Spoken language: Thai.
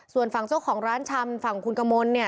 ส่วนฝั่งเจ้าของร้านชำฝั่งคุณกมลเนี่ย